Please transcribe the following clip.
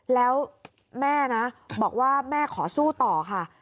แล้วแม่นะบอกว่าแม่ขอสู้ต่อค่ะ